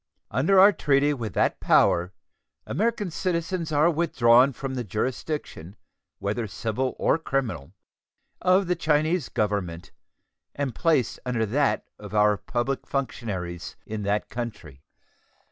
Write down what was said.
Under our treaty with that power American citizens are withdrawn from the jurisdiction, whether civil or criminal, of the Chinese Government and placed under that of our public functionaries in that country.